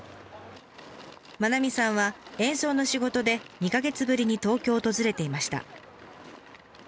愛さんは演奏の仕事で２か月ぶりに東京を訪れていました。